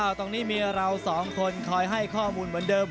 ตรงนี้มีเราสองคนคอยให้ข้อมูลเหมือนเดิม